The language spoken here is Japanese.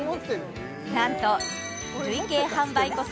なんと累計販売個数